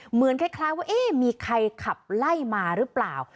เหมือนคล้ายว่าเอ๊ะมีใครขับไล่มาหรือเปล่า